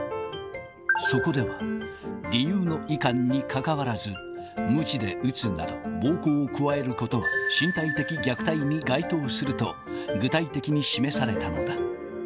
そこでは、理由のいかんにかかわらず、むちで打つなど、暴行を加えることは、身体的虐待に該当すると具体的に示されたのだ。